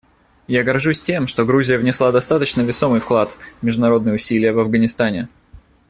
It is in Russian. Я горжусь тем, что Грузия внесла достаточно весомый вклад в международные усилия в Афганистане.